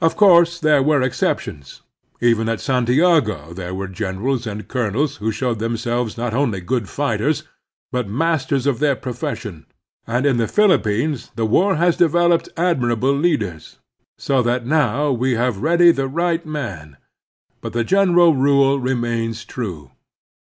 Of course there were exceptions ; even at Santiago there were generals and colonels who showed them selves not only good fighters, but masters of their profession; and in the Philippines the war has developed admirable leaders, so that now we have ready the right man ; but the general rule remains true.